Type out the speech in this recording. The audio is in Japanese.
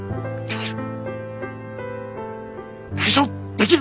できる。